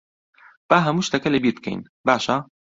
با هەموو شتەکە لەبیر بکەین، باشە؟